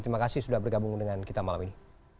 terima kasih sudah bergabung dengan kita malam ini